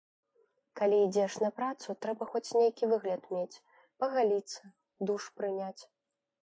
Калі ідзеш на працу, трэба хоць нейкі выгляд мець, пагаліцца, душ прыняць.